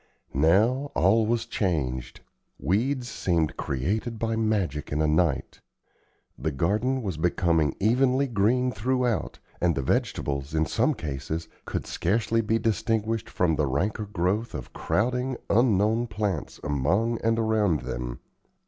Now all was changed. Weeds seemed created by magic in a night. The garden was becoming evenly green throughout; and the vegetables, in some cases, could scarcely be distinguished from the ranker growth of crowding, unknown plants among and around them.